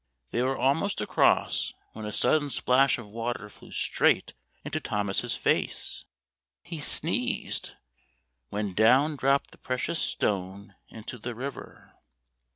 They were almost across, when a sudden splash of water flew straight into Thomas' face. He sneezed — when down dropped the precious stone into the river.